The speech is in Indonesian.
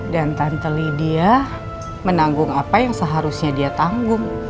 dan tante lydia menanggung apa yang seharusnya dia tanggung